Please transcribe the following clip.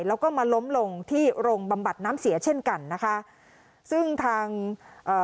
แล้วก็มาล้มลงที่โรงบำบัดน้ำเสียเช่นกันนะคะซึ่งทางเอ่อ